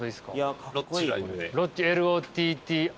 Ｌ・Ｏ・Ｔ・Ｔ・Ｉ。